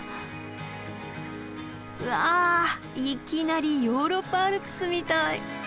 うわいきなりヨーロッパアルプスみたい！